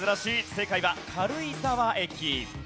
正解は軽井沢駅。